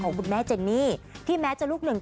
คุณแม่เจนี่ที่แม้จะลูกหนึ่ง